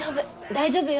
大丈夫よ。